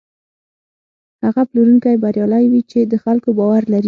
هغه پلورونکی بریالی وي چې د خلکو باور لري.